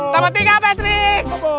tambah tiga patrick